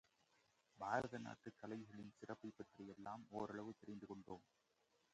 பாரத நாட்டுக் கலைகளின் சிறப்பைப் பற்றி எல்லாம் ஓரளவு தெரிந்து கொண்டோம்.